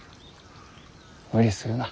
無理するな。